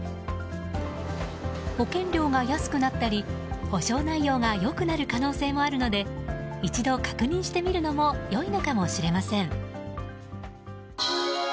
保険料が安くなったり保障内容が良くなる可能性もあるので一度確認してみるのもいいかもよいのかもしれません。